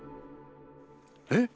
えっ？